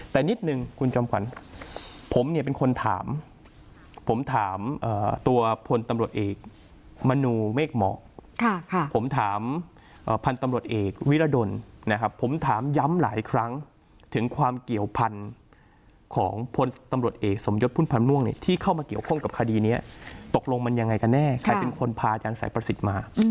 แต่นิดนึงคุณจอมขวัญผมเนี่ยเป็นคนถามผมถามตัวพลตำรวจเอกมนูเมฆเหมาะผมถามพันธุ์ตำรวจเอกวิรดลนะครับผมถามย้ำหลายครั้งถึงความเกี่ยวพันธุ์ของพลตำรวจเอกสมยศพุ่มพันธ์ม่วงเนี่ยที่เข้ามาเกี่ยวข้องกับคดีนี้ตกลงมันยังไงกันแน่ใครเป็นคนพาอาจารย์สายประสิทธิ์มา